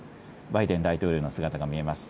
バイデン大統領の姿が見えます。